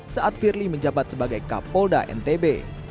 saat firly menjabat sebagai kapolda ntb